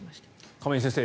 亀井先生